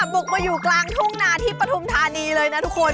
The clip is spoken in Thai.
บุกมาอยู่กลางทุ่งนาที่ปฐุมธานีเลยนะทุกคน